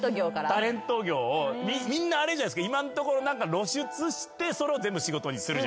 タレント業をみんなあれじゃないですか今んところ露出してそれを全部仕事にするじゃないですか。